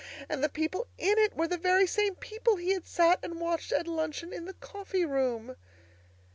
And the people in it were the very same people he had sat and watched at luncheon in the coffee room!